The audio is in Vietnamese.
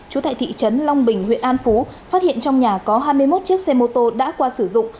trú tại thị trấn long bình huyện an phú phát hiện trong nhà có hai mươi một chiếc xe mô tô đã qua sử dụng